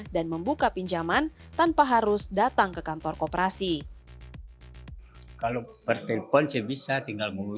dan membuka pinjaman tanpa harus datang ke kantor koperasi